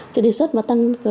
chứ đề xuất và tăng